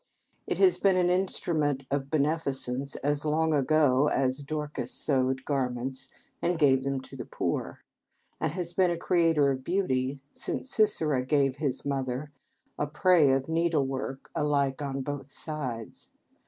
It has been an instrument of beneficence as long ago as "Dorcas sewed garments and gave them to the poor," and has been a creator of beauty since Sisera gave to his mother "a prey of needlework, 'alike on both sides.'"